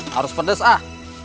harus pedes ah